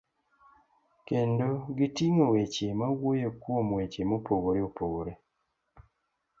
kendo giting'o weche mawuoyo kuom weche mopogore opogore.